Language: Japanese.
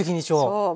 そう。